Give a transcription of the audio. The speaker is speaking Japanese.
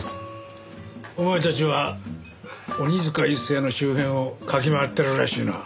お前たちは鬼塚一誠の周辺を嗅ぎ回ってるらしいな。